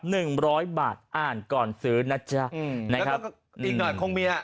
หนึ่งร้อยบาทอ่านก่อนซื้อนะจ๊ะอืมนะครับอีกหน่อยคงเมีย